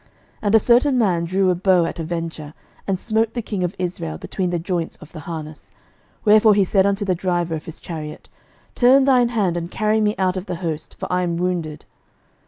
11:022:034 And a certain man drew a bow at a venture, and smote the king of Israel between the joints of the harness: wherefore he said unto the driver of his chariot, Turn thine hand, and carry me out of the host; for I am wounded.